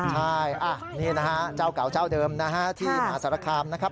ใช่นี่นะฮะเจ้าเก่าเจ้าเดิมนะฮะที่มหาสารคามนะครับ